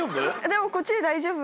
でもこっちで大丈夫。